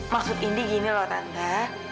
maksud indi gini loh ranta